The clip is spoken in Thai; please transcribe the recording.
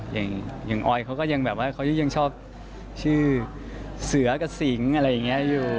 อย่างออยเขาก็ยังแบบว่าเขายังชอบชื่อเสือกับสิงอะไรอย่างนี้อยู่